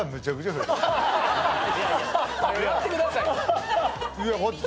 やってくださいよ。